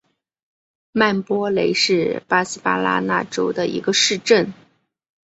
曼波雷是巴西巴拉那州的一个市镇。